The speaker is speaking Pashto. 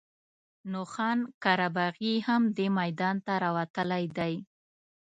نو خان قره باغي هم دې میدان ته راوتلی دی.